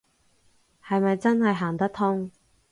係咪真係行得通